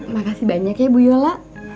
makasih banyak ya bu yola